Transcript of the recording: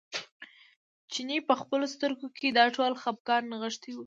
چیني په خپلو سترګو کې دا ټول خپګان نغښتی و.